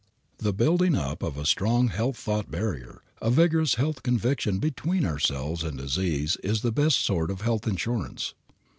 The building up of a strong health thought barrier, a vigorous health conviction between ourselves and disease is the best sort of health insurance.